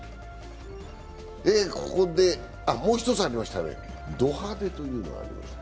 もう一つありました、ド派手というのがありました。